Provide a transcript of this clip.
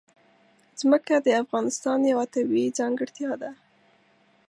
ځمکه د افغانستان یوه طبیعي ځانګړتیا ده.